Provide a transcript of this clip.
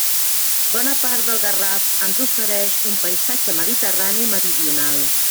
Bona part del Garraf ens ofereix un paisatge mediterrani meridional.